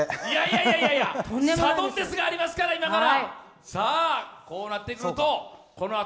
いやいやいや、サドンデスがありますから今から。